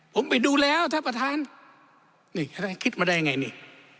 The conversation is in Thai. ผมไปดูแล้วท่านประธานนี่คิดมาได้ยังไงนี่